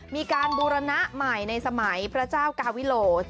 มีการบูรณะใหม่ในสมัยพระเจ้ากาวิโล